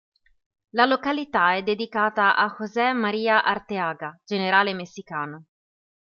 La località è dedicata a José María Arteaga, generale messicano.